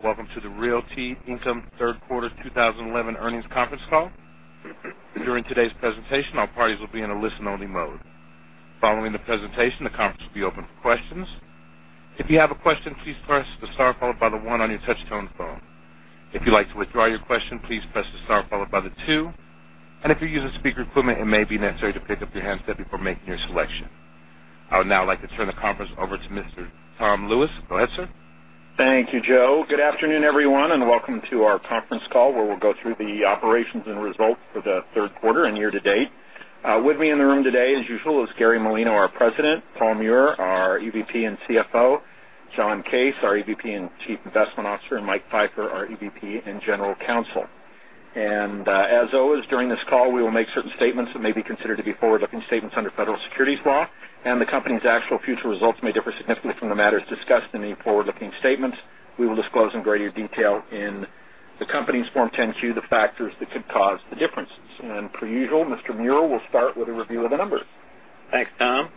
Welcome to the Realty Income Third Quarter 2011 Earnings Conference Call. During today's presentation, all parties will be in a listen-only mode. Following the presentation, the conference will be open for questions. If you have a question, please press the star followed by the one on your touch-tone phone. If you'd like to withdraw your question, please press the star followed by the two. If you're using speaker equipment, it may be necessary to pick up your handset before making your selection. I would now like to turn the conference over to Mr. Tom Lewis. Go ahead, sir. Thank you, Joe. Good afternoon, everyone, and welcome to our conference call where we'll go through the operations and results for the third quarter and year to date. With me in the room today, as usual, is Gary Molino, our President, Paul Meurer, our EVP and CFO, John Case, our EVP and Chief Investment Officer, and Mike Pfeiffer, our EVP and General Counsel. As always, during this call, we will make certain statements that may be considered to be forward-looking statements under Federal Securities Law, and the company's actual future results may differ significantly from the matters discussed in the forward-looking statements. We will disclose in greater detail in the company's Form 10-Q the factors that could cause the differences. Per usual, Mr. Meurer will start with a review of the numbers. Thanks, Tom.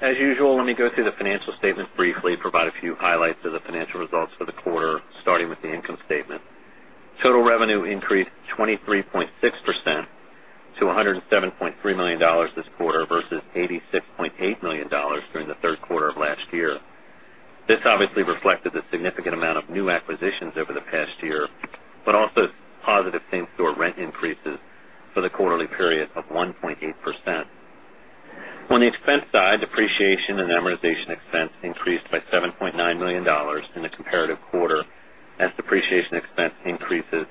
As usual, let me go through the financial statements briefly and provide a few highlights of the financial results for the quarter, starting with the income statement. Total revenue increased 23.6% to $107.3 million this quarter versus $86.8 million during the third quarter of last year. This obviously reflected the significant amount of new acquisitions over the past year, but also positive same-store rent increases for the quarterly period of 1.8%. On the expense side, depreciation and amortization expense increased by $7.9 million in the comparative quarter, as depreciation expense increases,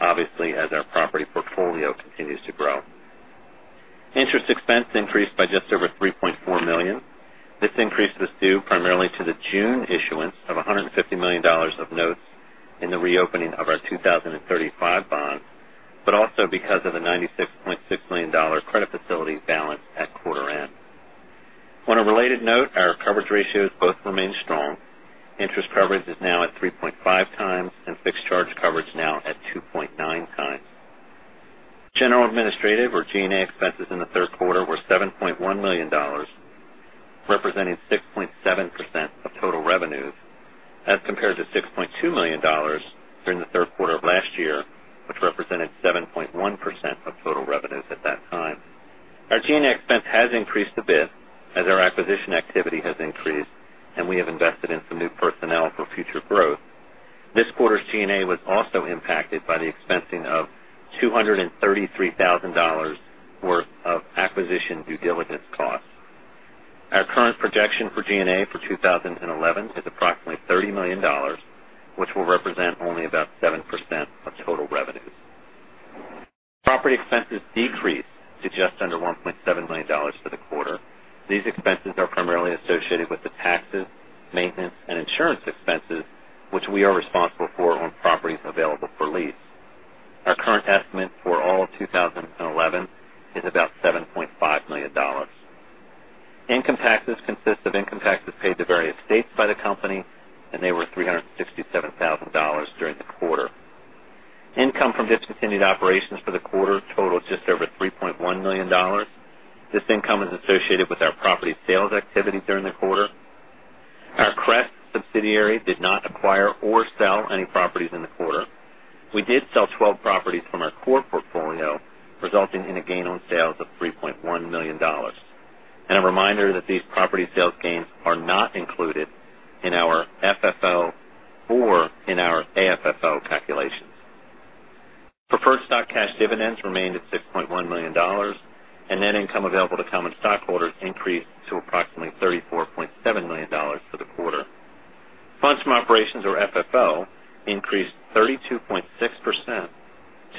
obviously, as our property portfolio continues to grow. Interest expense increased by just over $3.4 million. This increase was due primarily to the June issuance of $150 million of notes in the reopening of our 2035 bond, but also because of the $96.6 million credit facility balance at quarter end. On a related note, our coverage ratios both remain strong. Interest coverage is now at 3.5x and fixed charge coverage now at 2.9x. General and administrative or G&A expenses in the third quarter were $7.1 million, representing 6.7% of total revenues, as compared to $6.2 million during the third quarter of last year, which represented 7.1% of total revenues at that time. Our G&A expense has increased a bit as our acquisition activity has increased, and we have invested in some new personnel for future growth. This quarter's G&A was also impacted by the expensing of $233,000 worth of acquisition due diligence costs. Our current projection for G&A for 2011 is approximately $30 million, which will represent only about 7% of total revenues. Property expenses decreased, suggesting under $1.7 million for the quarter. These expenses are primarily associated with the taxes, maintenance, and insurance expenses, which we are responsible for on properties available for lease. Our current estimate for all of 2011 is about $7.5 million. Income taxes consist of income taxes paid to various states by the company, and they were $367,000 during the quarter. Income from discontinued operations for the quarter totaled just over $3.1 million. This income is associated with our property sales activity during the quarter. Our credit subsidiary did not acquire or sell any properties in the quarter. We did sell 12 properties from our core portfolio, resulting in a gain on sales of $3.1 million. A reminder that these property sales gains are not included in our FFO or in our AFFO calculation. Preferred stock cash dividends remained at $6.1 million, and net income available to common stockholders increased to approximately $34.7 million for the quarter. Funds from operations, or FFO, increased 32.6%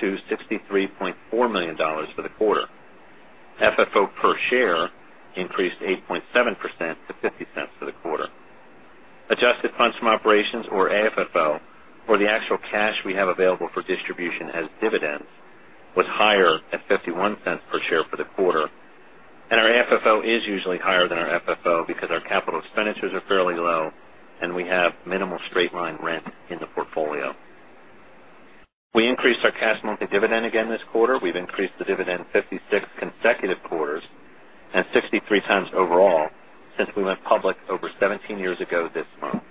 to $63.4 million for the quarter. FFO per share increased 8.7% to $0.50 for the quarter. Adjusted funds from operations, or AFFO, or the actual cash we have available for distribution as dividends, was higher at $0.51 per share for the quarter. Our AFFO is usually higher than our FFO because our capital expenditures are fairly low and we have minimal straight-line rent in the portfolio. We increased our cash monthly dividend again this quarter. We have increased the dividend 56 consecutive quarters and 63x overall since we went public over 17 years ago this month.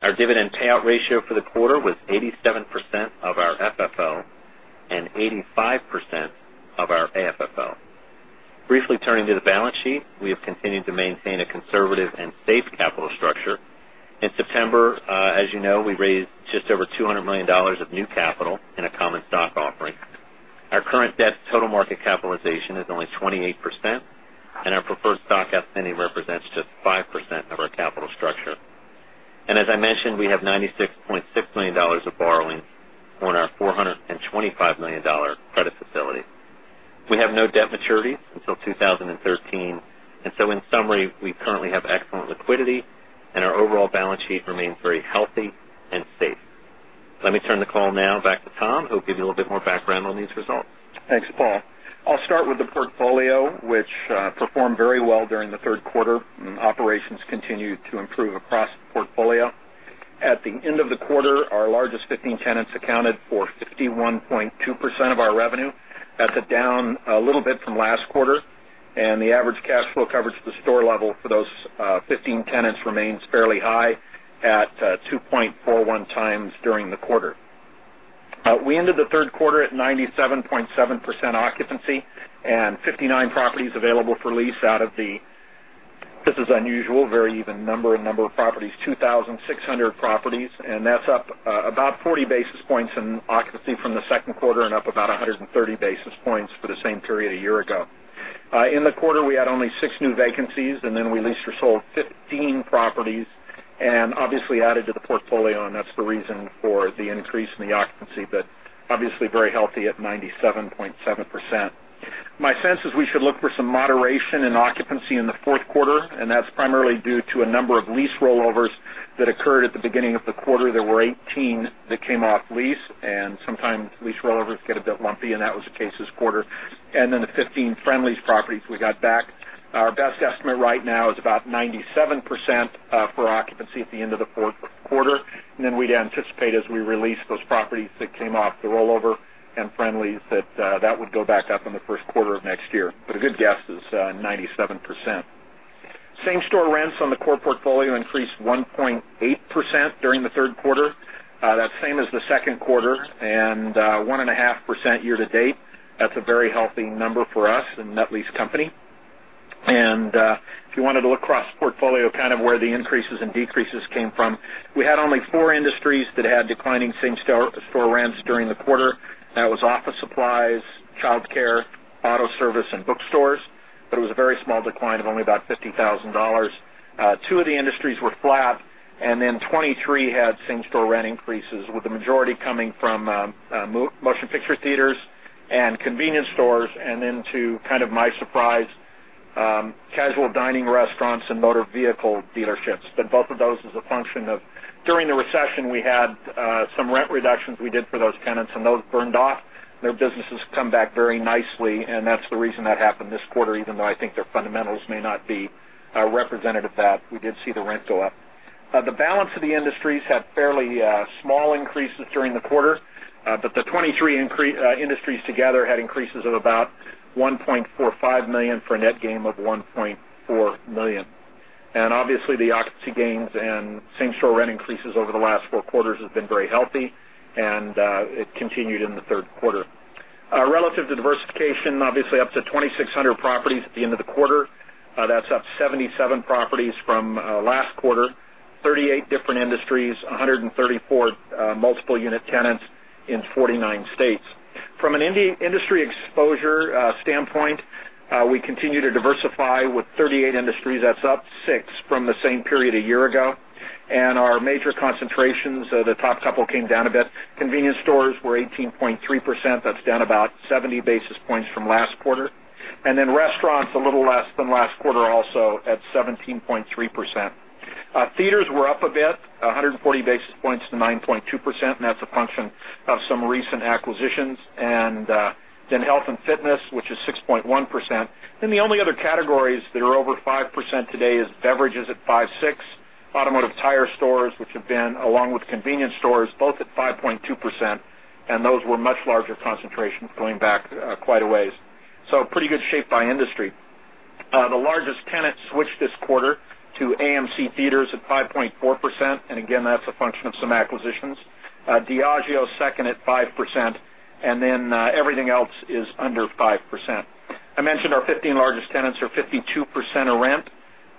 Our dividend payout ratio for the quarter was 87% of our FFO and 85% of our AFFO. Briefly turning to the balance sheet, we have continued to maintain a conservative and safe capital structure. In September, as you know, we raised just over $200 million of new capital in a common stock offering. Our current debt-to-total market capitalization is only 28%, and our preferred stock outstanding represents just 5% of our capital structure. As I mentioned, we have $96.6 million of borrowing on our $425 million credit facility. We have no debt maturity until 2013. In summary, we currently have excellent liquidity, and our overall balance sheet remains very healthy and safe. Let me turn the call now back to Tom, who will give you a little bit more background on these results. Thanks, Paul. I'll start with the portfolio, which performed very well during the third quarter. Operations continued to improve across the portfolio. At the end of the quarter, our largest 15 tenants accounted for 51.2% of our revenue. That's down a little bit from last quarter, and the average cash flow coverage at the store level for those 15 tenants remains fairly high at 2.41x during the quarter. We ended the third quarter at 97.7% occupancy and 59 properties available for lease out of the, this is unusual, very even number and number of properties, 2,600 properties. That's up about 40 basis points in occupancy from the second quarter and up about 130 basis points for the same period a year ago. In the quarter, we had only six new vacancies, and we leased or sold 15 properties and obviously added to the portfolio, and that's the reason for the increase in the occupancy, but obviously very healthy at 97.7%. My sense is we should look for some moderation in occupancy in the fourth quarter, and that's primarily due to a number of lease rollovers that occurred at the beginning of the quarter. There were 18 that came off lease, and sometimes lease rollovers get a bit lumpy, and that was the case this quarter. The 15 Friendly's properties we got back, our best estimate right now is about 97% for occupancy at the end of the fourth quarter. We'd anticipate as we release those properties that came off the rollover and Friendly's that that would go back up in the first quarter of next year. A good guess is 97%. Same-store rents on the core portfolio increased 1.8% during the third quarter. That's the same as the second quarter and 1.5% year-to-date. That's a very healthy number for us and that lease company. If you wanted to look across the portfolio kind of where the increases and decreases came from, we had only four industries that had declining same-store rents during the quarter. That was office supplies, childcare, auto service, and bookstores, but it was a very small decline of only about $50,000. Two of the industries were flat, and 23 had same-store rent increases, with the majority coming from motion picture theaters and convenience stores and into kind of my supplies, casual dining restaurants, and motor vehicle dealerships. Both of those as a function of during the recession, we had some rent reductions we did for those tenants, and those burned off. Their businesses come back very nicely, and that's the reason that happened this quarter, even though I think their fundamentals may not be representative of that. We did see the rent go up. The balance of the industries had fairly small increases during the quarter, but the 23 industries together had increases of about $1.45 million for a net gain of $1.4 million. Obviously, the occupancy gains and same-store rent increases over the last four quarters have been very healthy, and it continued in the third quarter. Relative to diversification, obviously up to 2,600 properties at the end of the quarter. That's up 77 properties from last quarter, 38 different industries, 134 multiple unit tenants in 49 states. From an industry exposure standpoint, we continue to diversify with 38 industries. That's up six from the same period a year ago. Our major concentrations, the top couple came down a bit. Convenience stores were 18.3%. That's down about 70 basis points from last quarter. Restaurants a little less than last quarter also at 17.3%. Theaters were up a bit, 140 basis points to 9.2%, and that's a function of some recent acquisitions. Health and fitness, which is 6.1%. The only other categories that are over 5% today are beverages at 5.6%, automotive tire stores, which have been, along with convenience stores, both at 5.2%. Those were much larger concentrations going back quite a ways. Pretty good shape by industry. The largest tenant switched this quarter to AMC Theatres at 5.4%. That's a function of some acquisitions. Diageo second at 5%. Everything else is under 5%. I mentioned our 15 largest tenants are 52% of rent.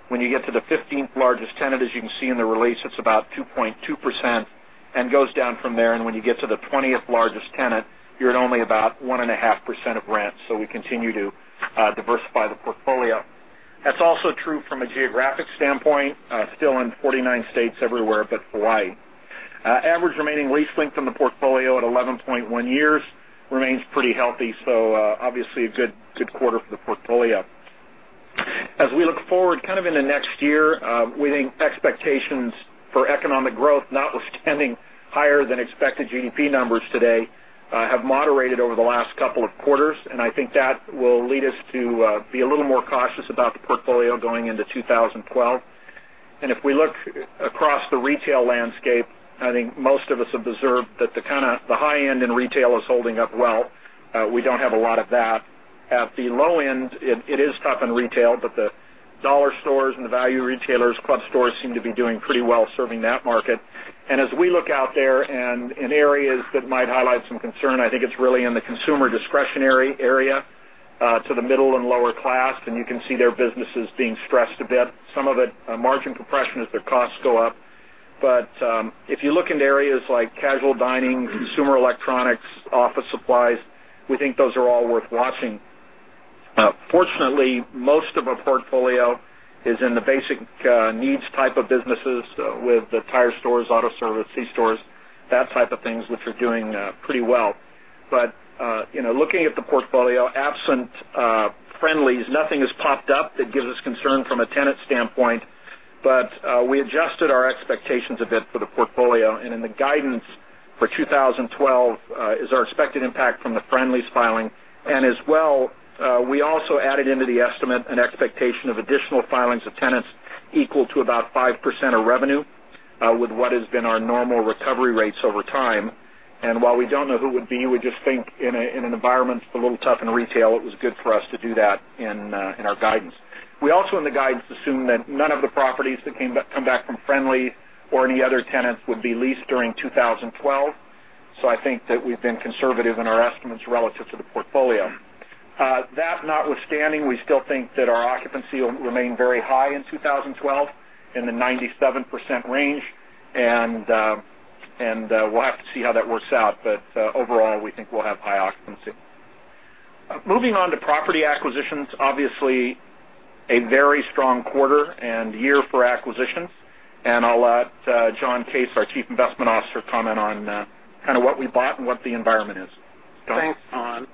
When you get to the 15th largest tenant, as you can see in the release, it's about 2.2% and goes down from there. When you get to the 20th largest tenant, you're at only about 1.5% of rent. We continue to diversify the portfolio. That's also true from a geographic standpoint, still in 49 states everywhere but Hawaii. Average remaining lease length in the portfolio at 11.1 years remains pretty healthy. Obviously a good quarter for the portfolio. As we look forward kind of in the next year, we think expectations for economic growth, notwithstanding higher than expected GDP numbers today, have moderated over the last couple of quarters. I think that will lead us to be a little more cautious about the portfolio going into 2012. If we look across the retail landscape, I think most of us have observed that the high end in retail is holding up well. We don't have a lot of that. At the low end, it is tough in retail, but the dollar stores and the value retailers, club stores seem to be doing pretty well serving that market. As we look out there and in areas that might highlight some concern, I think it's really in the consumer discretionary area to the middle and lower class. You can see their businesses being stressed a bit. Some of it is margin compression as their costs go up. If you look into areas like casual dining, consumer electronics, office supplies, we think those are all worth watching. Fortunately, most of our portfolio is in the basic needs type of businesses with the tire stores, auto service, c-stores, that type of things, which are doing pretty well. Looking at the portfolio, absent Friendly's, nothing has popped up that gives us concern from a tenant standpoint. We adjusted our expectations a bit for the portfolio. In the guidance for 2012 is our expected impact from the Friendly's filing. As well, we also added into the estimate an expectation of additional filings of tenants equal to about 5% of revenue with what has been our normal recovery rates over time. While we don't know who it would be, we just think in an environment that's a little tough in retail, it was good for us to do that in our guidance. We also in the guidance assume that none of the properties that came back from Friendly's or any other tenants would be leased during 2012. I think that we've been conservative in our estimates relative to the portfolio. That notwithstanding, we still think that our occupancy will remain very high in 2012 in the 97% range. We'll have to see how that works out. Overall, we think we'll have high occupancy. Moving on to property acquisitions, obviously a very strong quarter and year for acquisitions. I'll let John Case, our Chief Investment Officer, comment on what we bought and what the environment is. Thanks, Tom.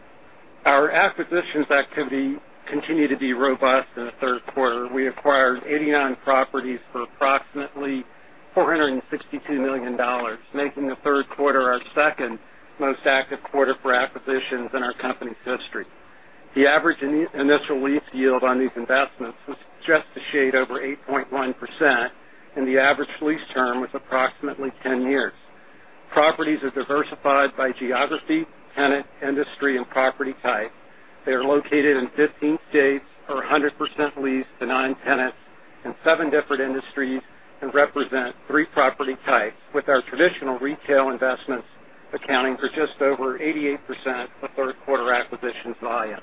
Our acquisitions activity continued to be robust in the third quarter. We acquired 89 properties for approximately $462 million, making the third quarter our second most active quarter for acquisitions in our company's history. The average initial lease yield on these investments was just a shade over 8.1% and the average lease term was approximately 10 years. Properties are diversified by geography, tenant, industry, and property type. They are located in 15 states, are 100% leased to non-tenants in seven different industries, and represent three property types, with our traditional retail investments accounting for just over 88% of third quarter acquisitions volume.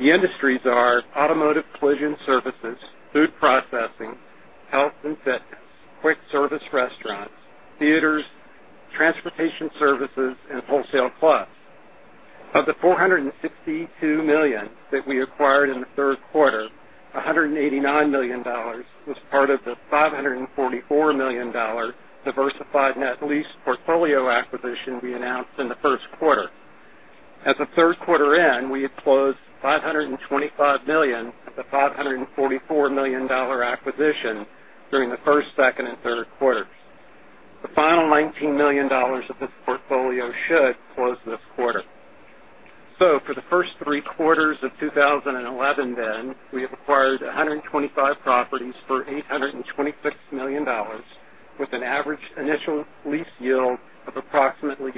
The industries are automotive collision services, food processing, health and fitness, quick service restaurants, theaters, transportation services, and wholesale clubs. Of the $462 million that we acquired in the third quarter, $189 million was part of the $544 million diversified net lease portfolio acquisition we announced in the first quarter. As the third quarter ends, we have closed $525 million of the $544 million acquisition during the first, second, and third quarters. The final $19 million of this portfolio should close this quarter. For the first three quarters of 2011, we have acquired 125 properties for $826 million with an average initial lease yield of approximately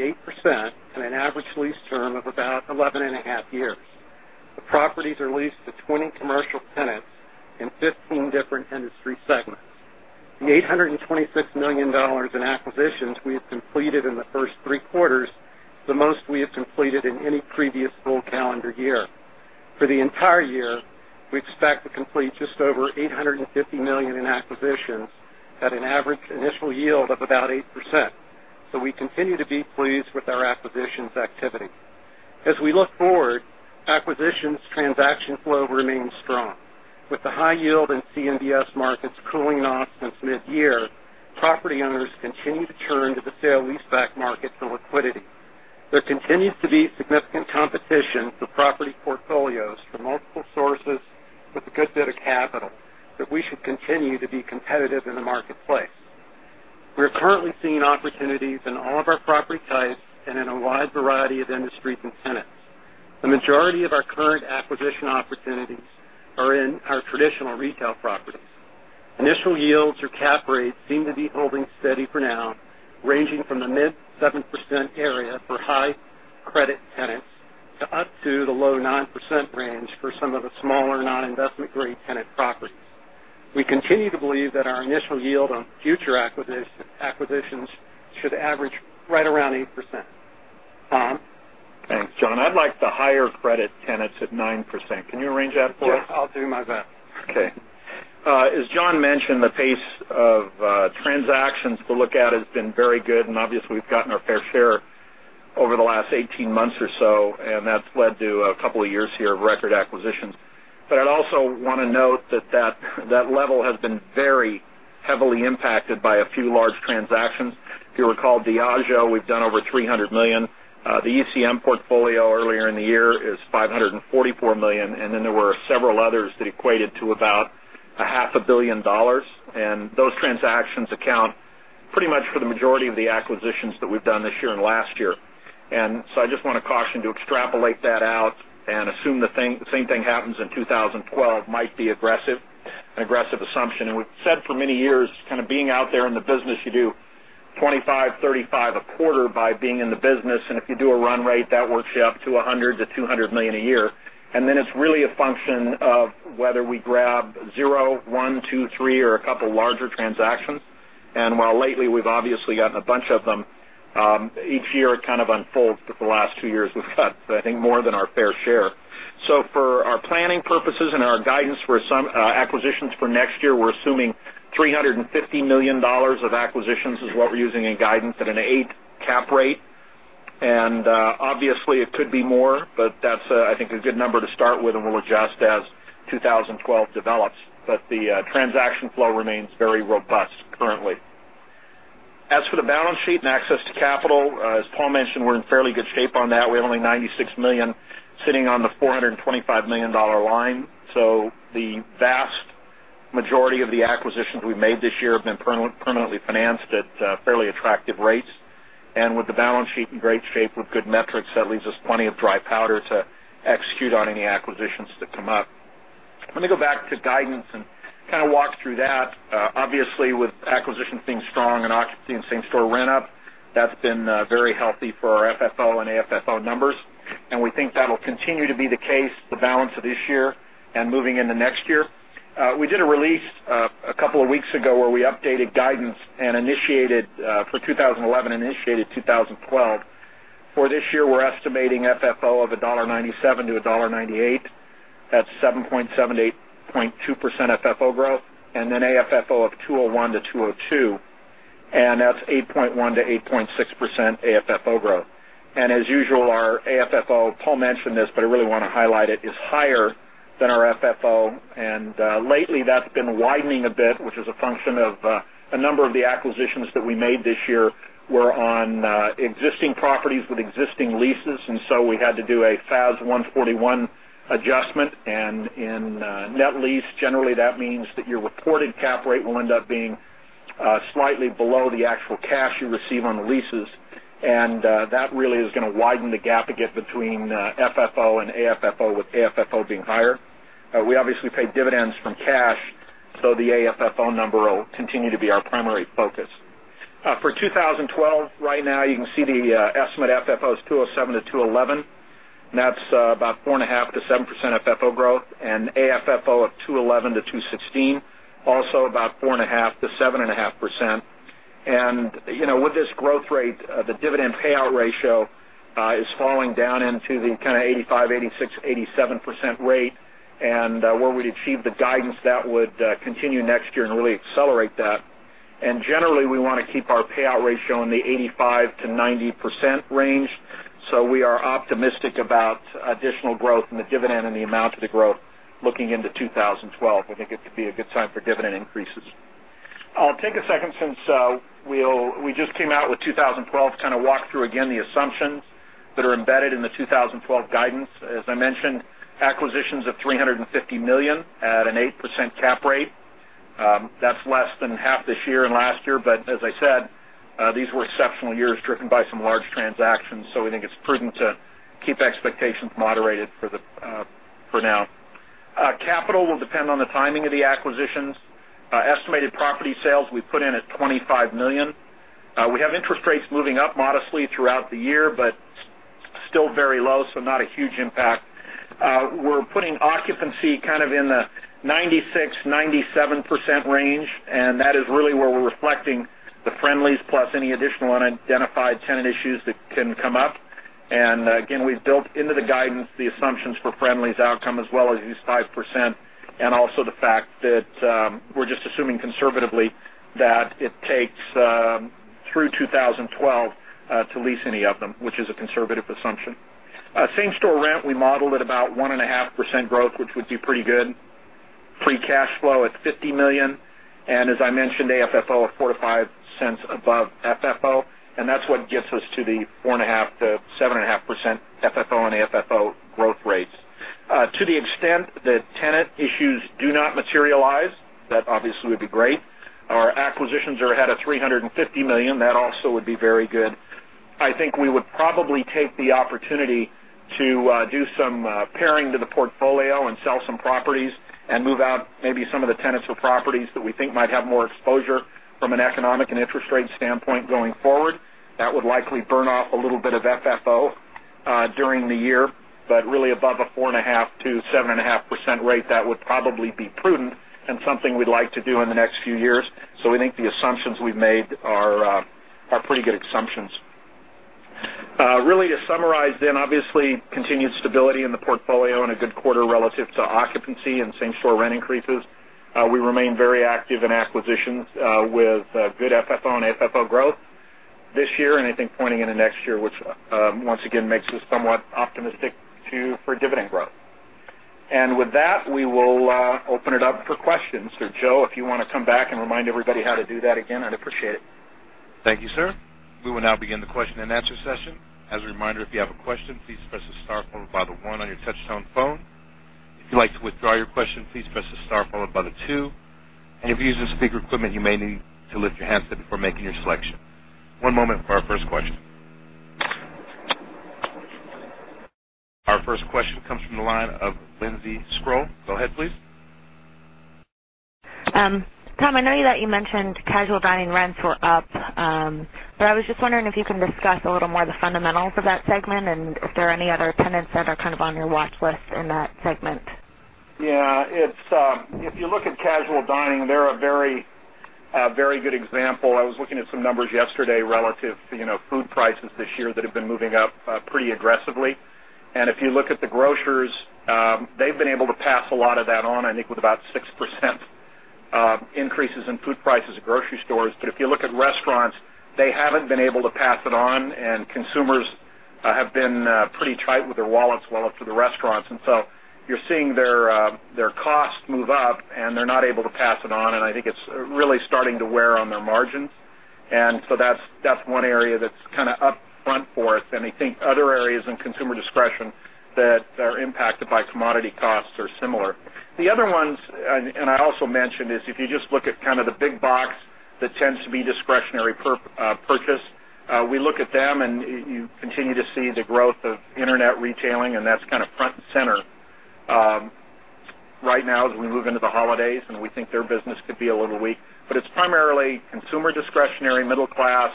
8% and an average lease term of about 11.5 years. The properties are leased to 20 commercial tenants in 15 different industry segments. The $826 million in acquisitions we have completed in the first three quarters is the most we have completed in any previous full calendar year. For the entire year, we expect to complete just over $850 million in acquisitions at an average initial yield of about 8%. We continue to be pleased with our acquisitions activity. As we look forward, acquisitions transaction flow remains strong. With the high yield in CMBS markets cooling off since mid-year, property owners continue to turn to the sale-leaseback market for liquidity. There continues to be significant competition for property portfolios from multiple sources with a good bit of capital, but we should continue to be competitive in the marketplace. We're currently seeing opportunities in all of our property types and in a wide variety of industries and tenants. The majority of our current acquisition opportunities are in our traditional retail properties. Initial yields or cap rates seem to be holding steady for now, ranging from the mid-7% area for high credit tenants to up to the low 9% range for some of the smaller non-investment grade tenant properties. We continue to believe that our initial yield on future acquisitions should average right around 8%. Tom? Thanks, John. I'd like the higher credit tenants at 9%. Can you arrange that for us? I'll do my best. Okay. As John mentioned, the pace of transactions to look at has been very good. Obviously, we've gotten our fair share over the last 18 months or so, and that's led to a couple of years here of record acquisitions. I'd also want to note that that level has been very heavily impacted by a few large transactions. If you recall Diageo, we've done over $300 million. The ECM portfolio earlier in the year is $544 million. There were several others that equated to about half a billion dollars. Those transactions account pretty much for the majority of the acquisitions that we've done this year and last year. I just want to caution to extrapolate that out and assume the same thing happens in 2012 might be an aggressive assumption. We've said for many years, kind of being out there in the business, you do 25, 35 a quarter by being in the business. If you do a run rate, that works you up to $100 million-$200 million a year. It's really a function of whether we grab zero, one, two, three, or a couple larger transactions. Lately we've obviously gotten a bunch of them. Each year it kind of unfolds because the last two years we've got, I think, more than our fair share. For our planning purposes and our guidance for some acquisitions for next year, we're assuming $350 million of acquisitions is what we're using in guidance at an 8% cap rate. Obviously, it could be more, but that's, I think, a good number to start with, and we'll adjust as 2012 develops. The transaction flow remains very robust currently. As for the balance sheet and access to capital, as Paul mentioned, we're in fairly good shape on that. We have only $96 million sitting on the $425 million line. The vast majority of the acquisitions we made this year have been permanently financed at fairly attractive rates. With the balance sheet in great shape with good metrics, that leaves us plenty of dry powder to execute on any acquisitions that come up. Let me go back to guidance and kind of walk through that. Obviously, with acquisitions being strong and occupancy and same-store rent up, that's been very healthy for our FFO and AFFO numbers. We think that'll continue to be the case the balance of this year and moving into next year. We did a release a couple of weeks ago where we updated guidance and initiated for 2011 and initiated 2012. For this year, we're estimating FFO of $1.97-$1.98. That's 7.7%-8.2% FFO growth. AFFO of $2.01-$2.02. That is 8.1%-8.6% AFFO growth. As usual, our AFFO, Paul mentioned this, but I really want to highlight it, is higher than our FFO. Lately, that has been widening a bit, which is a function of a number of the acquisitions that we made this year. We are on existing properties with existing leases, so we had to do a FASB 141 adjustment. In net lease, generally, that means that your reported cap rate will end up being slightly below the actual cash you receive on the leases. That really is going to widen the gap again between FFO and AFFO, with AFFO being higher. We obviously pay dividends from cash, so the AFFO number will continue to be our primary focus. For 2012, right now, you can see the estimated FFO is $2.07-$2.11. That is about 4.5%-7% FFO growth. AFFO of $2.11-$2.16, also about 4.5%-7.5%. With this growth rate, the dividend payout ratio is falling down into the kind of 85%, 86%, 87% range. Where we would achieve the guidance, that would continue next year and really accelerate that. Generally, we want to keep our payout ratio in the 85%-90% range. We are optimistic about additional growth in the dividend and the amount of the growth looking into 2012. I think it could be a good time for dividend increases. I'll take a second since we just came out with 2012, to kind of walk through again the assumptions that are embedded in the 2012 guidance. As I mentioned, acquisitions of $350 million at an 8% cap rate. That is less than 1/2 this year and last year, but as I said, these were exceptional years driven by some large transactions. We think it is prudent to keep expectations moderated for now. Capital will depend on the timing of the acquisitions. Estimated property sales we put in at $25 million. We have interest rates moving up modestly throughout the year, but still very low, so not a huge impact. We are putting occupancy kind of in the 96%-97% range. That is really where we are reflecting the Friendly's plus any additional unidentified tenant issues that can come up. We have built into the guidance the assumptions for Friendly's outcome as well as these 5% and also the fact that we are just assuming conservatively that it takes through 2012 to lease any of them, which is a conservative assumption. Same-store rent, we modeled at about 1.5% growth, which would be pretty good. Free cash flow at $50 million. As I mentioned, AFFO of $0.04-$0.05 above FFO. That is what gets us to the 1.5%-7.5% FFO and AFFO growth rates. To the extent that tenant issues do not materialize, that obviously would be great. Our acquisitions are ahead of $350 million. That also would be very good. I think we would probably take the opportunity to do some pairing to the portfolio and sell some properties and move out maybe some of the tenants with properties that we think might have more exposure from an economic and interest rate standpoint going forward. That would likely burn off a little bit of FFO during the year. Really, above a 4.5%-7.5% rate, that would probably be prudent and something we'd like to do in the next few years. We think the assumptions we've made are pretty good assumptions. Really, to summarize, obviously continued stability in the portfolio and a good quarter relative to occupancy and same-store rent increases. We remain very active in acquisitions with good FFO and AFFO growth this year. I think pointing into next year, which once again makes us somewhat optimistic for dividend growth. With that, we will open it up for questions. Joe, if you want to come back and remind everybody how to do that again, I'd appreciate it. Thank you, sir. We will now begin the question and answer session. As a reminder, if you have a question, please press the star followed by the one on your touch-tone phone. If you'd like to withdraw your question, please press the star followed by the two. If you're using speaker equipment, you may need to lift your hands before making your selection. One moment for our first question. Our first question comes from the line of Lindsay Schroll. Go ahead, please. Tom, I know that you mentioned casual dining rents were up, but I was just wondering if you can discuss a little more of the fundamentals of that segment and if there are any other tenants that are kind of on your watch list in that segment. Yeah. If you look at casual dining, they're a very, very good example. I was looking at some numbers yesterday relative to food prices this year that have been moving up pretty aggressively. If you look at the grocers, they've been able to pass a lot of that on, I think with about 6% increases in food prices at grocery stores. If you look at restaurants, they haven't been able to pass it on, and consumers have been pretty tight with their wallets while it's for the restaurants. You're seeing their costs move up, and they're not able to pass it on. I think it's really starting to wear on their margin. That's one area that's kind of upfront for us. I think other areas in consumer discretion that are impacted by commodity costs are similar. The other ones, I also mentioned this, if you just look at kind of the big box that tends to be discretionary purchase, we look at them, and you continue to see the growth of internet retailing, and that's kind of front and center. Right now, we move into the holidays, and we think their business could be a little weak. It's primarily consumer discretionary, middle class,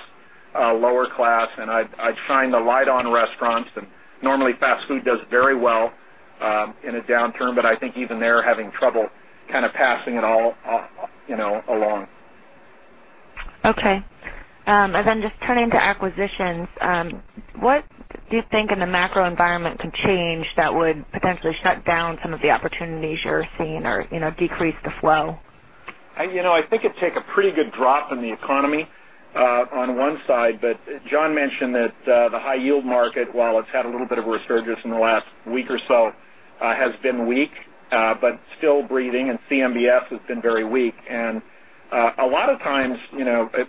lower class. I'd shine the light on restaurants. Normally, fast food does very well in a downturn, but I think even they're having trouble kind of passing it all along. Okay. Just turning to acquisitions, what do you think in the macro environment could change that would potentially shut down some of the opportunities you're seeing or decrease the flow? I think it'd take a pretty good drop in the economy on one side. John mentioned that the high yield market, while it's had a little bit of a resurgence in the last week or so, has been weak, but still breathing. CMBS has been very weak. A lot of times,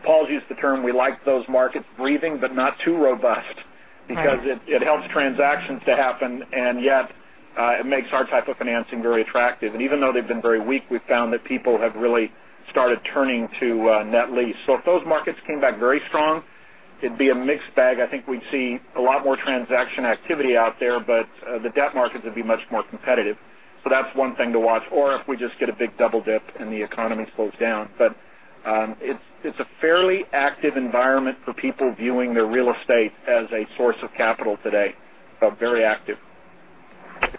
Paul's used the term, we like those markets breathing, but not too robust because it helps transactions to happen. Yet, it makes our type of financing very attractive. Even though they've been very weak, we've found that people have really started turning to net lease. If those markets came back very strong, it'd be a mixed bag. I think we'd see a lot more transaction activity out there, but the debt markets would be much more competitive. That's one thing to watch. If we just get a big double dip and the economy slows down, it's a fairly active environment for people viewing their real estate as a source of capital today. Very active.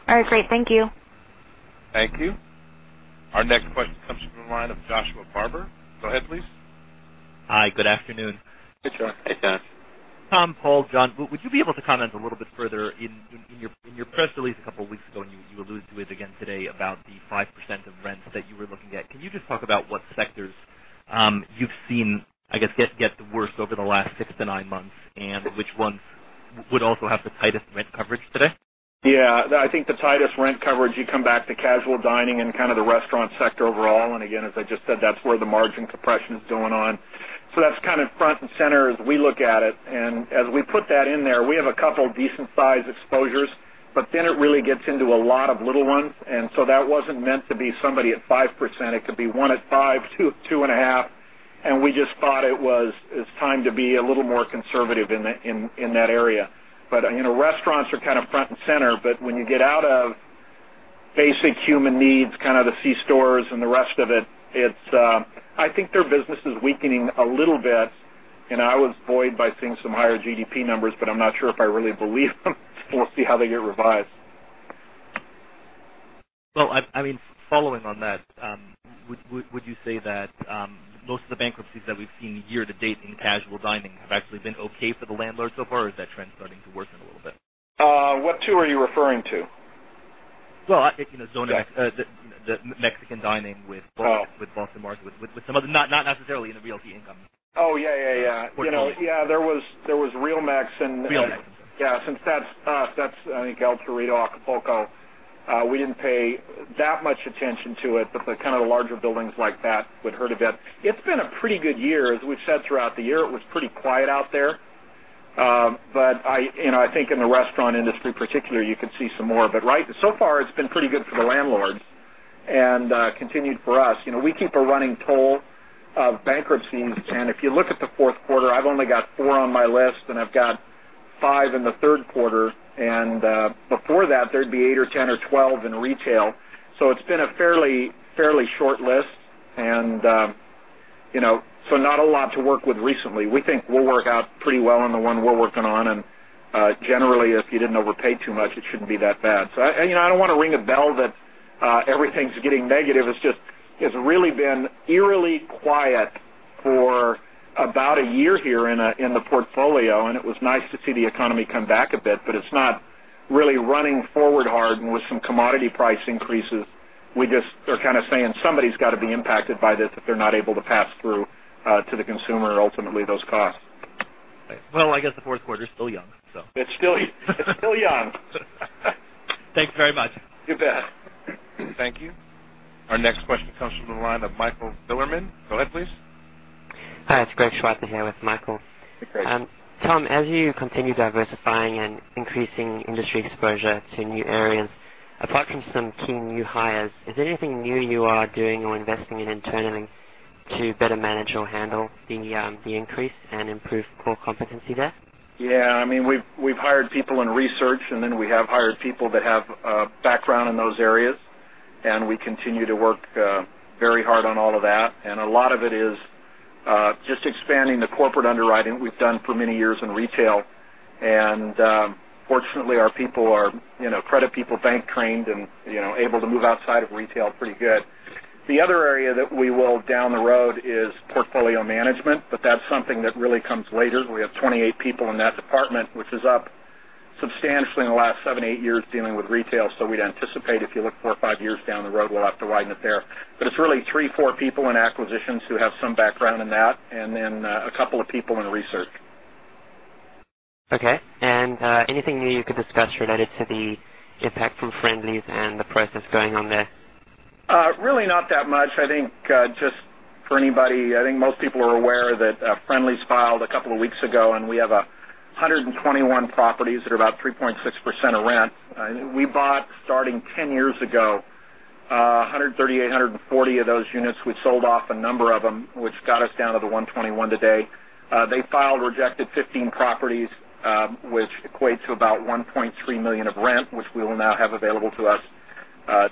All right. Great, thank you. Thank you. Our next question comes from the line of Joshua Barber. Go ahead, please. Hi, good afternoon. Hey, Josh. Hey, Josh. Tom, Paul, John, would you be able to comment a little bit further in your press release a couple of weeks ago? You alluded to it again today about the 5% of rents that you were looking at. Can you just talk about what sectors you've seen, I guess, get the worst over the last 6-9 months and which one would also have the tightest rent coverage today? Yeah. I think the tightest rent coverage, you come back to casual dining and kind of the restaurant sector overall. Again, as I just said, that's where the margin compression is going on. That's kind of front and center as we look at it. As we put that in there, we have a couple of decent-sized exposures, but then it really gets into a lot of little ones. That wasn't meant to be somebody at 5%. It could be 1 at 5%, 2 at 2.5%. We just thought it was time to be a little more conservative in that area. You know, restaurants are kind of front and center. When you get out of basic human needs, kind of the C-stores and the rest of it, I think their business is weakening a little bit. I was buoyed by seeing some higher GDP numbers, but I'm not sure if I really believe them. We'll see how they get revised. I mean, following on that, would you say that most of the bankruptcies that we've seen year to date in casual dining have actually been okay for the landlord so far, or is that trend starting to worsen a little bit? What two are you referring to? The Mexican dining with most of the markets, with some other, not necessarily in the Realty Income. Oh, yeah, yeah, yeah. You know, yeah, there was Realmex. Yeah. Since that's tough, that's, I think, El Corrido, Acapulco. We didn't pay that much attention to it, but the kind of the larger buildings like that would hurt a bit. It's been a pretty good year. As we've said throughout the year, it was pretty quiet out there. I think in the restaurant industry in particular, you could see some more. Right now, it's been pretty good for the landlords and continued for us. You know, we keep a running toll of bankruptcies. If you look at the fourth quarter, I've only got four on my list, and I've got five in the third quarter. Before that, there'd be 8 or 10 or 12 in retail. It's been a fairly, fairly short list. You know, not a lot to work with recently. We think we'll work out pretty well on the one we're working on. Generally, if you didn't overpay too much, it shouldn't be that bad. I don't want to ring a bell that everything's getting negative. It's just, it's really been eerily quiet for about a year here in the portfolio. It was nice to see the economy come back a bit, but it's not really running forward hard and with some commodity price increases. We just are kind of saying somebody's got to be impacted by this if they're not able to pass through to the consumer or ultimately those costs. Right. I guess the fourth quarter is still young. It's still young. Thank you very much. You bet. Thank you. Our next question comes from the line of Michael Bilerman. Go ahead, please. Hi. It's Greg McGinniss here with Michael. Tom, as you continue diversifying and increasing industry exposure to new areas, apart from some key new hires, is there anything new you are doing or investing in internally to better manage or handle the increase and improve core competencies there? Yeah. I mean, we've hired people in research, and we have hired people that have a background in those areas. We continue to work very hard on all of that. A lot of it is just expanding the corporate underwriting that we've done for many years in retail. Fortunately, our people are, you know, credit people, bank trained, and you know, able to move outside of retail pretty good. The other area that we will down the road is portfolio management, but that's something that really comes later. We have 28 people in that department, which is up substantially in the last seven, eight years dealing with retail. We'd anticipate if you look four or five years down the road, we'll have to widen it there. It's really three, four people in acquisitions who have some background in that, and then a couple of people in research. Okay. Is there anything new you could discuss related to the impact from Friendly's and the process going on there? Really not that much. I think just for anybody, I think most people are aware that Friendly's filed a couple of weeks ago, and we have 121 properties that are about 3.6% of rents. We bought starting 10 years ago, 138, 140 of those units. We sold off a number of them, which got us down to the 121 today. They filed, rejected 15 properties, which equates to about $1.3 million of rent, which we will now have available to us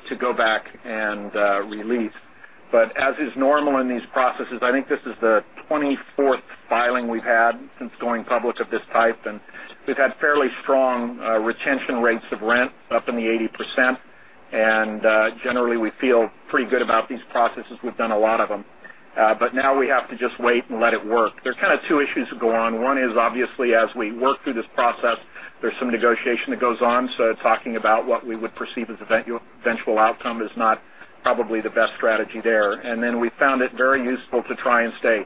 to go back and release. As is normal in these processes, I think this is the 24th filing we've had since going public of this type. We've had fairly strong retention rates of rent up in the 80%. Generally, we feel pretty good about these processes. We've done a lot of them. Now we have to just wait and let it work. There are kind of two issues that go on. One is obviously, as we work through this process, there's some negotiation that goes on. Talking about what we would perceive as an eventual outcome is not probably the best strategy there. We found it very useful to try and stay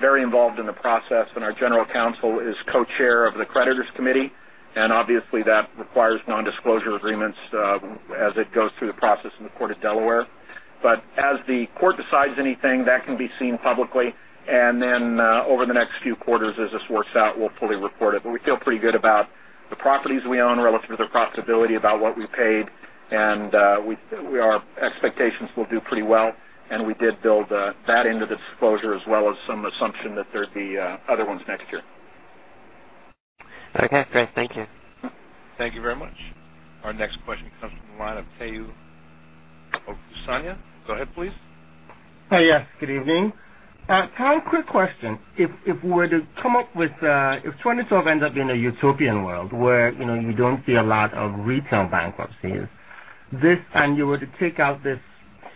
very involved in the process. Our General Counsel is co-chair of the creditors committee. Obviously, that requires non-disclosure agreements as it goes through the process in the court of Delaware. As the court decides anything, that can be seen publicly. Over the next few quarters, as this works out, we'll fully report it. We feel pretty good about the properties we own relative to their profitability, about what we paid. We think our expectations will do pretty well. We did build that into the disclosure as well as some assumption that there'd be other ones next year. Okay. Great. Thank you. Thank you very much. Our next question comes from the line of Tayo Okusanya. Go ahead, please. Hey, yes. Good evening. Tom, quick question. If we were to come up with, if 2012 ends up being a utopian world where you know, you don't see a lot of retail bankruptcies, and you were to take out this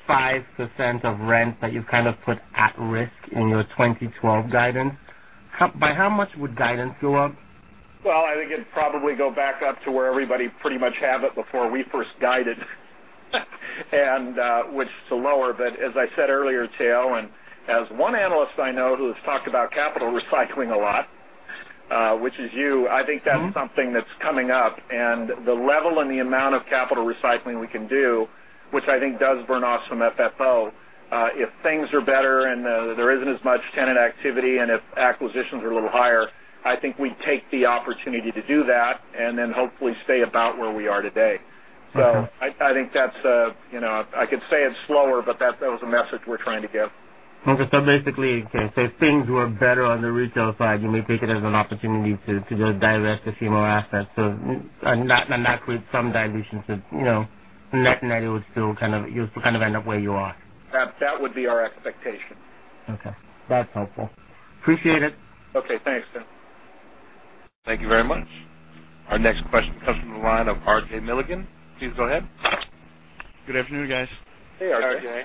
5% of rent that you've kind of put at risk in your 2012 guidance, by how much would guidance go up? I think it'd probably go back up to where everybody pretty much had it before we first guided and wished to lower. As I said earlier, Tayo, and as one analyst I know who has talked about capital recycling a lot, which is you, I think that's something that's coming up. The level and the amount of capital recycling we can do, which I think does burn off some FFO, if things are better and there isn't as much tenant activity, and if acquisitions are a little higher, I think we'd take the opportunity to do that and then hopefully stay about where we are today. I think that's, you know, I could say it's slower, but that was a message we're trying to give. Basically, if things were better on the retail side, we take it as an opportunity to just divest a few more assets. I'm not with some dilutions, but nothing that you would still kind of, you'll still kind of end up where you are. Perhaps that would be our expectation. Okay, that's helpful. Appreciate it. Okay. Thanks, too. Thank you very much. Our next question comes from the line of RJ Milligan. Please go ahead. Good afternoon, guys. Hey, RJ.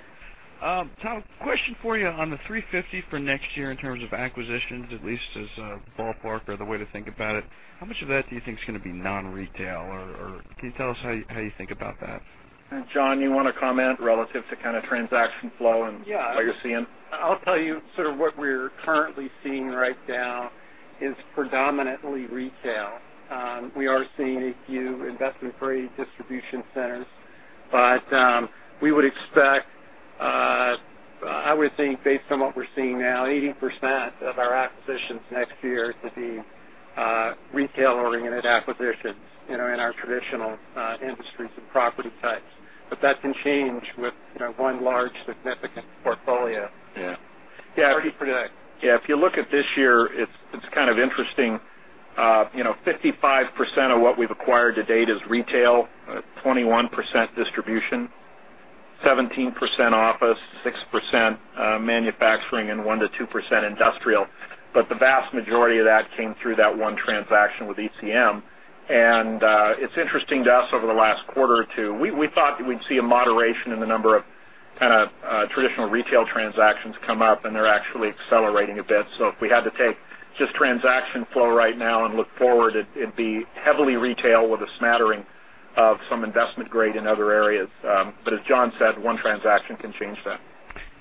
Tom, question for you on the $350 for next year in terms of acquisitions, at least as a ballpark or the way to think about it. How much of that do you think is going to be non-retail? Or can you tell us how you think about that? John, you want to comment relative to kind of transaction flow and what you're seeing? Yeah. I'll tell you what we're currently seeing right now is predominantly retail. We are seeing a few investment-free distribution centers. We would expect, I would think, based on what we're seeing now, 80% of our acquisitions next year to be retail-oriented acquisitions in our traditional industries and property types. That can change with one large significant portfolio. Yeah. If you look at this year, it's kind of interesting. You know, 55% of what we've acquired to date is retail, 21% distribution, 17% office, 6% manufacturing, and 1%-2% industrial. The vast majority of that came through that one transaction with ECM. It's interesting to us over the last quarter or two. We thought we'd see a moderation in the number of kind of traditional retail transactions come up, and they're actually accelerating a bit. If we had to take just transaction flow right now and look forward, it'd be heavily retail with a smattering of some investment grade in other areas. As John said, one transaction can change that.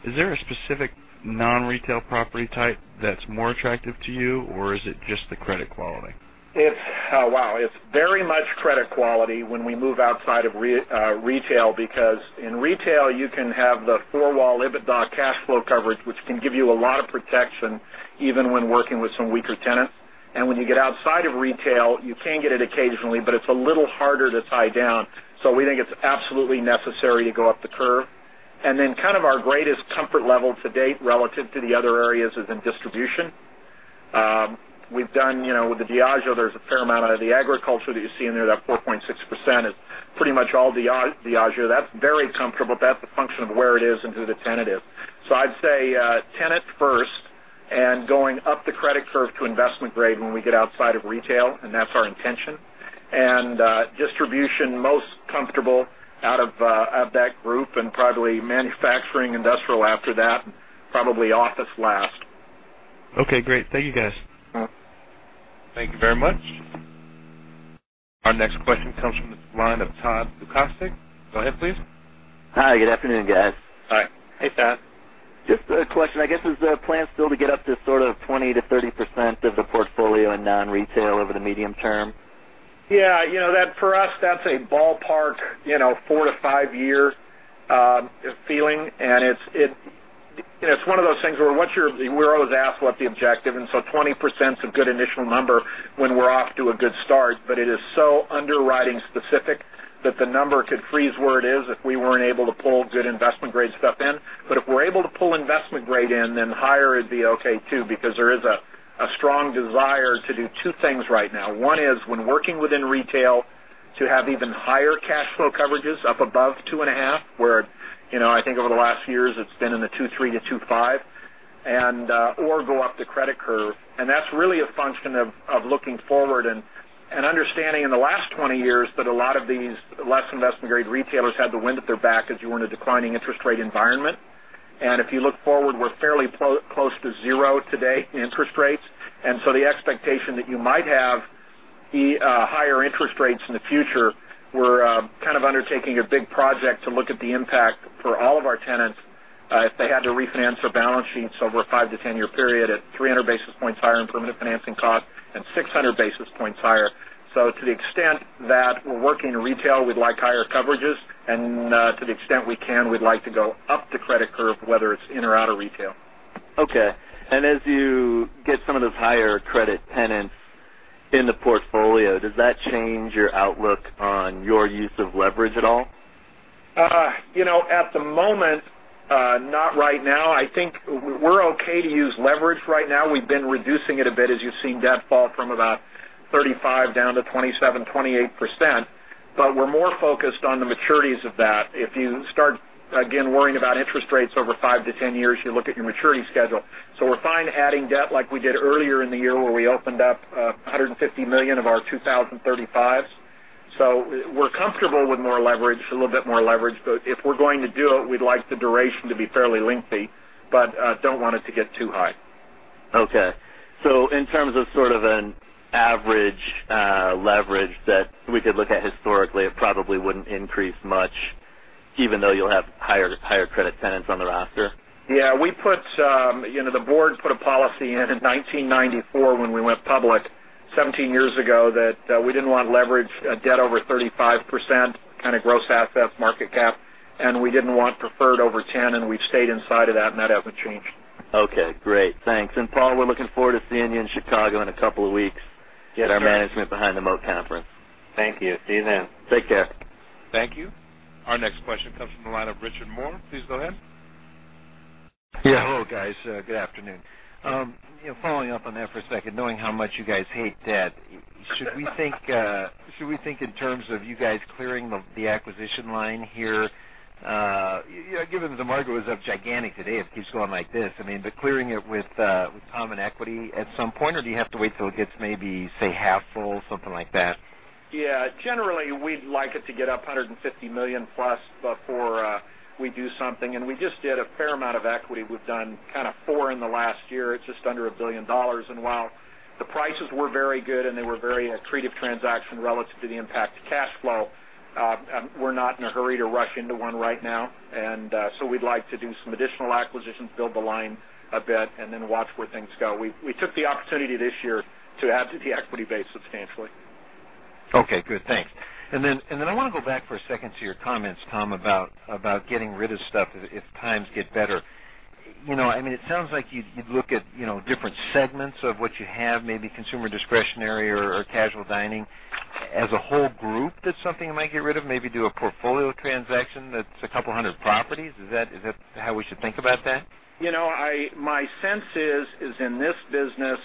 Is there a specific non-retail property type that's more attractive to you, or is it just the credit quality? Oh, wow. It's very much credit quality when we move outside of retail because in retail, you can have the four-wall EBITDA cash flow coverage, which can give you a lot of protection even when working with some weaker tenant. When you get outside of retail, you can get it occasionally, but it's a little harder to tie down. We think it's absolutely necessary to go up the curve. Kind of our greatest comfort level to date relative to the other areas is in distribution. We've done, you know, with the Diageo, there's a fair amount of the agriculture that you see in there. That 4.6% is pretty much all Diageo. That's very comfortable. That's a function of where it is and who the tenant is. I'd say tenant first and going up the credit curve to investment grade when we get outside of retail, and that's our intention. Distribution, most comfortable out of that group and probably manufacturing, industrial after that, and probably office last. Okay. Great. Thank you, guys. Thank you very much. Our next question comes from the line of Todd Lukasik. Go ahead please. Hi. Good afternoon, guys. Hi. Hey, Todd. Just a question. Is the plan still to get up to sort of 20%-30% of the portfolio in non-retail over the medium term? Yeah. You know, for us, that's a ballpark, you know, four to five year feeling. It's one of those things where we're always asked what the objective is. 20% is a good initial number when we're off to a good start. It is so underwriting specific that the number could freeze where it is if we weren't able to pull good investment grade stuff in. If we're able to pull investment grade in, then higher would be okay too because there is a strong desire to do two things right now. One is when working within retail to have even higher cash flow coverages up above 2.5, where I think over the last years, it's been in the 2.3-2.5, or go up the credit curve. That's really a function of looking forward and understanding in the last 20 years that a lot of these less investment grade retailers had the wind at their back as you were in a declining interest rate environment. If you look forward, we're fairly close to zero today in interest rates. The expectation that you might have higher interest rates in the future, we're kind of undertaking a big project to look at the impact for all of our tenants if they had to refinance their balance sheets over a 5-10 year period at 300 basis points higher in permanent financing costs and 600 basis points higher. To the extent that we're working in retail, we'd like higher coverages. To the extent we can, we'd like to go up the credit curve, whether it's in or out of retail. Okay. As you get some of those higher credit tenants in the portfolio, does that change your outlook on your use of leverage at all? At the moment, not right now. I think we're okay to use leverage right now. We've been reducing it a bit, as you've seen debt fall from about 35% down to 27%-28%. We're more focused on the maturities of that. If you start again worrying about interest rates over 5-10 years, you look at your maturity schedule. We're fine adding debt like we did earlier in the year, where we opened up $150 million of our 2035s. We're comfortable with more leverage, a little bit more leverage. If we're going to do it, we'd like the duration to be fairly lengthy, but don't want it to get too high. Okay. In terms of sort of an average leverage that we could look at historically, it probably wouldn't increase much even though you'll have higher credit tenants on the roster? Yeah. The board put a policy in in 1994 when we went public 17 years ago that we didn't want leverage debt over 35% kind of growth assets, market cap. We didn't want deferred over 10%, and we stayed inside of that, and that hasn't changed. Okay. Great, thanks. Paul, we're looking forward to seeing you in Chicago in a couple of weeks to get our management behind the Moat Conference. Thank you. See you then. Take care. Thank you. Our next question comes from the line of Richard Moore. Please go ahead. Yeah. Hello, guys. Good afternoon. Following up on that for a second, knowing how much you guys hate debt, should we think in terms of you guys clearing the acquisition line here? Given that the market was up gigantic today, it keeps going like this. I mean, clearing it with common equity at some point, or do you have to wait till it gets maybe, say, half full, something like that? Yeah. Generally, we'd like it to get up to $150+ million before we do something. We just did a fair amount of equity. We've done kind of four in the last year. It's just under $1 billion. While the prices were very good and they were very accretive transactions relative to the impact to cash flow, we're not in a hurry to rush into one right now. We'd like to do some additional acquisitions, build the line a bit, and then watch where things go. We took the opportunity this year to add to the equity base substantially. Okay. Good. Thanks. I want to go back for a second to your comments, Tom, about getting rid of stuff if times get better. It sounds like you'd look at different segments of what you have, maybe consumer discretionary or casual dining as a whole group that's something you might get rid of, maybe do a portfolio transaction that's a couple hundred properties. Is that how we should think about that? My sense is, in this business,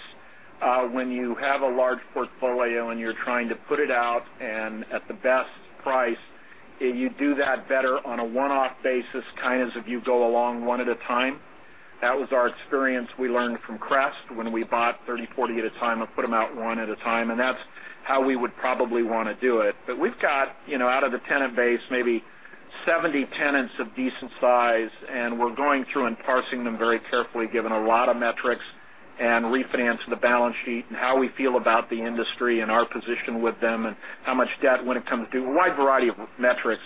when you have a large portfolio and you're trying to put it out at the best price, you do that better on a one-off basis, kind of as if you go along one at a time. That was our experience we learned from Crest when we bought 30, 40 at a time and put them out one at a time. That's how we would probably want to do it. We've got, you know, out of the tenant base, maybe 70 tenants of decent size, and we're going through and parsing them very carefully, given a lot of metrics and refinancing the balance sheet and how we feel about the industry and our position with them and how much debt when it comes to a wide variety of metrics.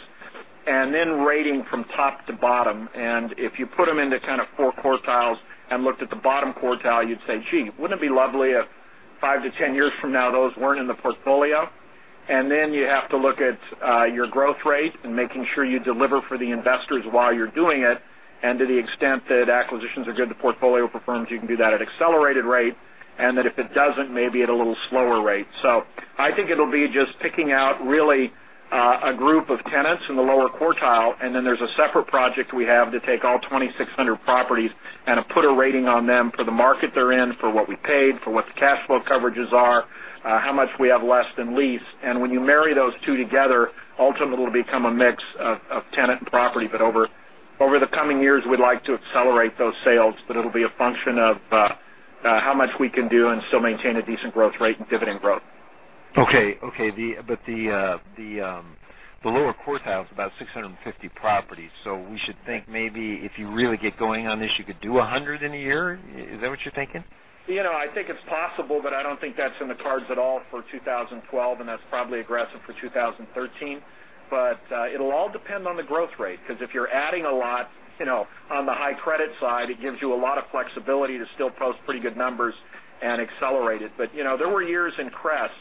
Then rating from top to bottom. If you put them into kind of four quartiles and looked at the bottom quartile, you'd say, "Gee, wouldn't it be lovely if 5-10 years from now those weren't in the portfolio?" You have to look at your growth rate and making sure you deliver for the investors while you're doing it. To the extent that acquisitions are good, the portfolio performs, you can do that at an accelerated rate. If it doesn't, maybe at a little slower rate. I think it'll be just picking out really a group of tenants in the lower quartile. There's a separate project we have to take all 2,600 properties and put a rating on them for the market they're in, for what we paid, for what the cash flow coverages are, how much we have left in lease. When you marry those two together, ultimately, it'll become a mix of tenant and property. Over the coming years, we'd like to accelerate those sales, but it'll be a function of how much we can do and still maintain a decent growth rate and dividend growth. Okay. The lower quartile is about 650 properties. We should think maybe if you really get going on this, you could do 100 in a year. Is that what you're thinking? I think it's possible, but I don't think that's in the cards at all for 2012, and that's probably aggressive for 2013. It'll all depend on the growth rate because if you're adding a lot, you know, on the high credit side, it gives you a lot of flexibility to still post pretty good numbers and accelerate it. There were years in Crest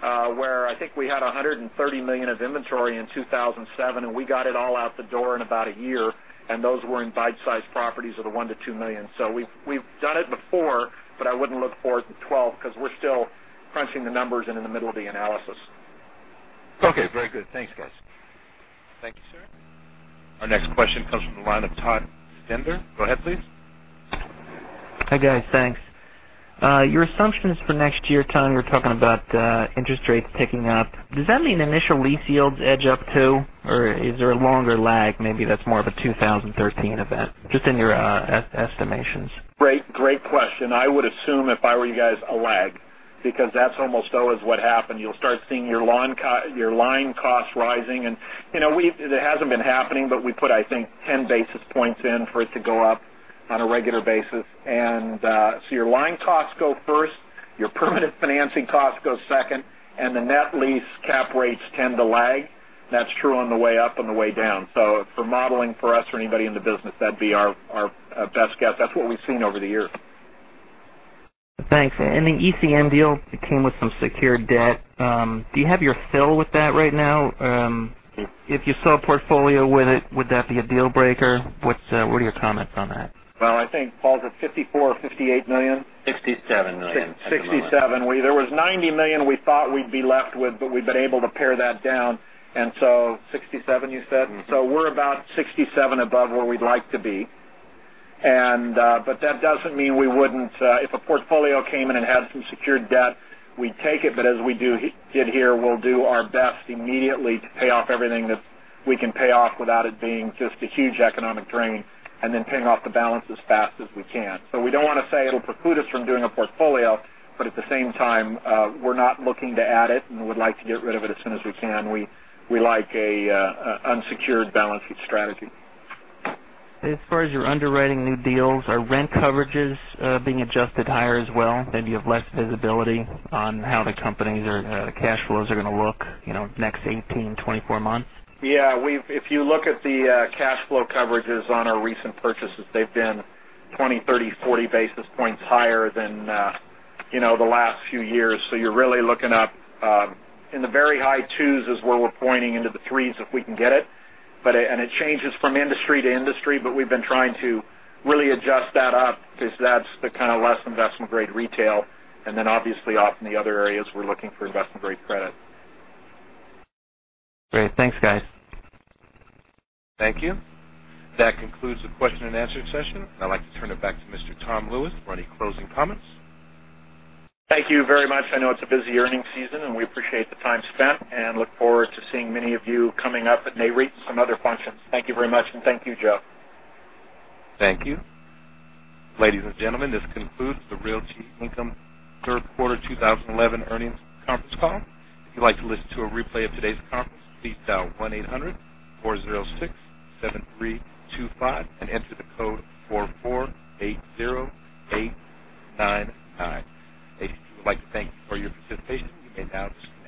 where I think we had $130 million of inventory in 2007, and we got it all out the door in about a year. Those were in bite-sized properties of the $1 million-$2 million. We've done it before, but I wouldn't look forward to 2012 because we're still crunching the numbers and in the middle of the analysis. Okay. Very good. Thanks, guys. Thank you, sir. Our next question comes from the line of Todd Stender. Go ahead, please. Hi, guys. Thanks. Your assumption is for next year, Tom, you're talking about interest rates picking up. Does that mean initial lease yields edge up too, or is there a longer lag? Maybe that's more of a 2013 event, just in your estimations? Great question. I would assume if I were you guys, a lag because that's almost always what happened. You'll start seeing your line costs rising. It hasn't been happening, but we put, I think, 10 basis point in for it to go up on a regular basis. Your line costs go first, your permanent financing costs go second, and the net lease cap rates tend to lag. That's true on the way up and the way down. For modeling for us or anybody in the business, that'd be our best guess. That's what we've seen over the years. Thanks. The ECM deal came with some secured debt. Do you have your fill with that right now? If you saw a portfolio with it, would that be a deal breaker? What's your comment on that? I think Paul's at $54 million or $58 million. $57 million. There was $90 million we thought we'd be left with, but we've been able to pare that down. $67 million, you said? We're about $67 million above where we'd like to be. That doesn't mean we wouldn't, if a portfolio came in and had some secured debt, we'd take it. As we did here, we'll do our best immediately to pay off everything that we can pay off without it being just a huge economic drain and then paying off the balance as fast as we can. We don't want to say it'll preclude us from doing a portfolio, but at the same time, we're not looking to add it and would like to get rid of it as soon as we can. We like an unsecured balance sheet strategy. As far as your underwriting new deals, are rent coverages being adjusted higher as well? Do you have less visibility on how the companies or cash flows are going to look, you know, next 18, 24 months? Yeah. If you look at the cash flow coverages on our recent purchases, they've been 20, 30, 40 basis points higher than, you know, the last few years. You're really looking up in the very high twos, pointing into the threes if we can get it. It changes from industry to industry, but we've been trying to really adjust that up because that's the kind of less investment grade retail. Obviously, off in the other areas, we're looking for investment grade credit. Great. Thanks, guys. Thank you. That concludes the question and answer session. I'd like to turn it back to Mr. Tom Lewis for any closing comments. Thank you very much. I know it's a busy earnings season, and we appreciate the time spent and look forward to seeing many of you coming up at Nareit and some other functions. Thank you very much, and thank you, Joe. Thank you. Ladies and gentlemen, this concludes the Realty Income Third Quarter 2011 Earnings Conference Call. If you'd like to listen to a replay of today's conference, please dial 1-800-406-7325 and enter the code 4480899. Thank you for your participation. You may now disconnect.